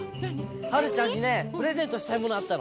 はるちゃんにねプレゼントしたいものあったの。